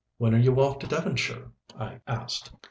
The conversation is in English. "When are you off to Devonshire?" I asked.